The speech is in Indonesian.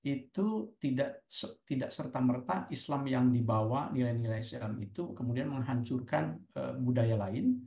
itu tidak serta merta islam yang dibawa nilai nilai islam itu kemudian menghancurkan budaya lain